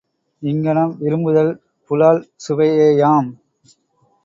இங்ஙனம் விரும்புதல் புலால் சுவையேயாம்.